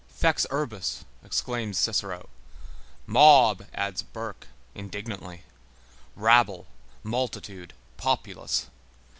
Fex urbis, exclaims Cicero; mob, adds Burke, indignantly; rabble, multitude, populace.